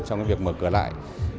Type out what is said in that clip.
trong cái việc mở cửa lại